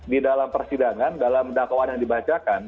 di dalam persidangan dalam dakwaan yang dibacakan